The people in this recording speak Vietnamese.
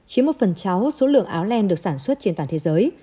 chỉ một phần cháu số lượng áo len được sản xuất trên toàn thế giới